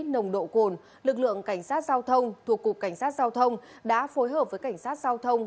nồng độ cồn lực lượng cảnh sát giao thông thuộc cục cảnh sát giao thông đã phối hợp với cảnh sát giao thông